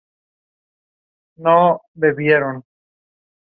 La planta se encuentra en el este de Asia, incluyendo los Himalayas.